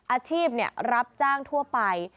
อาชีพรับจ้างทั่วไป